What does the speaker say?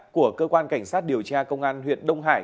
của cơ quan cảnh sát điều tra công an huyện đông hải